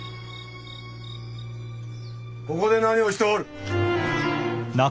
ここで何をしておる？